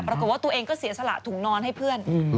ปรากฏว่าตัวเองก็เสียสละถุงนอนให้เพื่อน